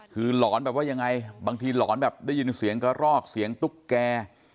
คือหลอนแบบว่ายังไงบางทีหลอนแบบได้ยินเสียงกระรอกเสียงตุ๊กแก